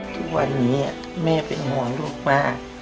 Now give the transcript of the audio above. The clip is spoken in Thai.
ทุกวันนี้แม่เป็นห่วงลูกมาก